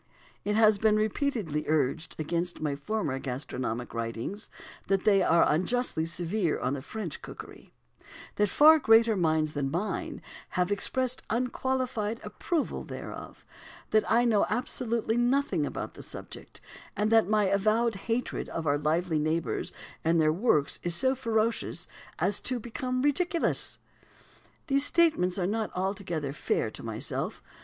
It has been repeatedly urged against my former gastronomic writings that they are unjustly severe on French cookery; that far greater minds than mine own have expressed unqualified approval thereof; that I know absolutely nothing about the subject; and that my avowed hatred of our lively neighbours and their works is so ferocious as to become ridiculous. These statements are not altogether fair to myself.